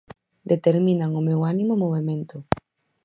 Determinan o meu ánimo e movemento.